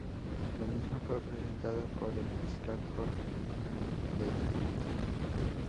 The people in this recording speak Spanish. La misma fue presentada por el fiscal Jorge Di Lello.